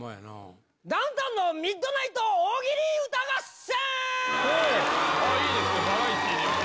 ダウンタウンのミッドナイト大喜利歌合戦！